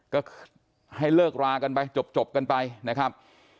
ก็ให้เลิกรากันไปจบกันไปนะครับ